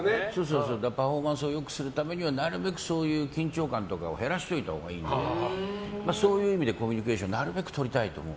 パフォーマンスを良くするためにはなるべくそういう緊張感とかを減らしておいたほうがいいのでそういう意味でコミュニケーションなるべくとりたいと思う。